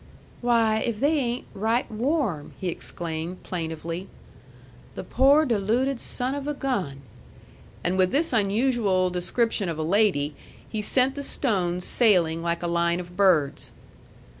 "Why, if they ain't right warm!" he exclaimed plaintively. "The poor, deluded son of a gun!" And with this unusual description of a lady, he sent the stones sailing like a line of birds.